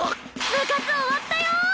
部活終わったよ！